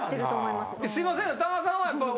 すいません。